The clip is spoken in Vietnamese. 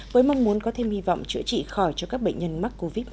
với mong muốn có thêm hy vọng chữa trị khỏi cho các bệnh nhân mắc covid một mươi chín